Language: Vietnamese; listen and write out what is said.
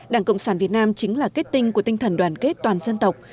đảng cộng sản việt nam chính là kết tinh của tinh thần đoàn kết toàn dân tộc